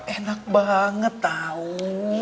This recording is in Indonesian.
enak banget tau